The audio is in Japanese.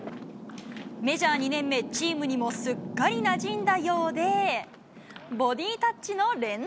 メジャー２年目、チームにもすっかりなじんだようで、ボディタッチの連続。